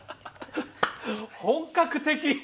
本格的！